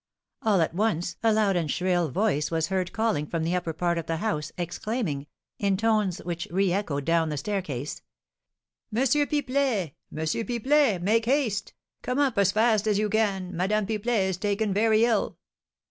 All at once a loud and shrill voice was heard calling from the upper part of the house, exclaiming, in tones which reëchoed down the staircase: "M. Pipelet! M. Pipelet! Make haste! Come up as fast as you can! Madame Pipelet is taken very ill!"